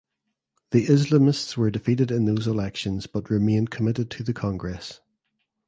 The Islamists were defeated in those elections but remained committed to the congress.